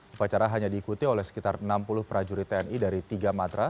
upacara hanya diikuti oleh sekitar enam puluh prajurit tni dari tiga matra